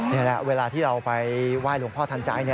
นี่แหละเวลาที่เราไปไหว้หลวงพ่อทันใจ